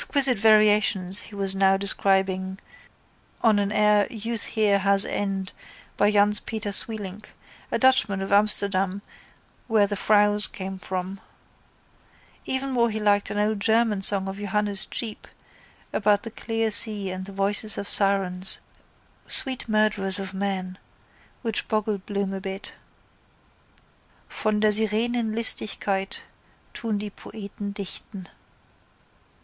Exquisite variations he was now describing on an air Youth here has End by Jans Pieter Sweelinck, a Dutchman of Amsterdam where the frows come from. Even more he liked an old German song of Johannes Jeep about the clear sea and the voices of sirens, sweet murderers of men, which boggled Bloom a bit: Von der Sirenen Listigkeit Tun die Poeten dichten.